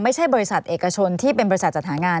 บริษัทเอกชนที่เป็นบริษัทจัดหางาน